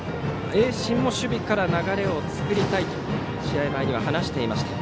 盈進も守備から流れを作りたいと試合前に話していました。